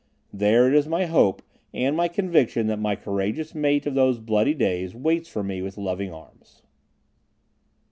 There, it is my hope and my conviction that my courageous mate of those bloody days waits for me with loving arms.